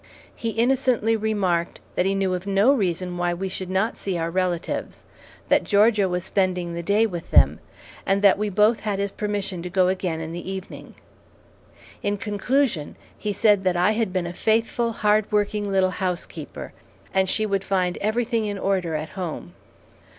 He innocently remarked that he knew of no reason why we should not see our relatives; that Georgia was spending the day with them; and that we both had his permission to go again in the evening. In conclusion he said that I had been a faithful, hard working little housekeeper, and she would find everything in order at home.